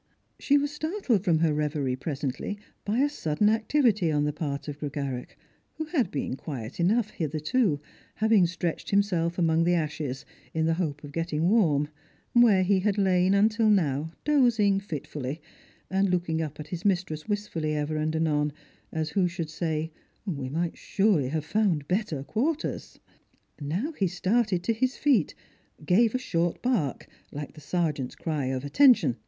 She was startled from her reverie presently by a sudden Strangers and Pilgrims. 307 idctivity on tlie part of Gregarach, who had been quiet enough hitherto, having stretched himself among the ashes, in the hope of getting warm, where he had lain until now, dozing fitfully, and looking up at his mistress wistfully ever and anon, as who should say, " We might surely have found better quarters." Now he started to his feet, gave his short bark, like tht sergeant's cry of " Attention